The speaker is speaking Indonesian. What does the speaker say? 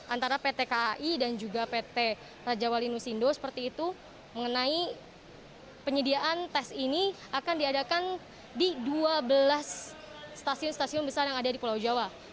antara pt kai dan juga pt raja walinusindo seperti itu mengenai penyediaan tes ini akan diadakan di dua belas stasiun stasiun besar yang ada di pulau jawa